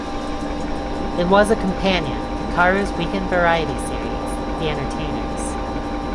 It was a companion to Carew's weekend variety series "The Entertainers".